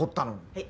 えっ？